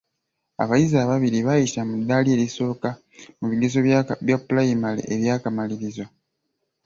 Abayizi ababiri baayitira mu ddaala erisooka mu bigezo bya pulayimale eby'akamalirizo.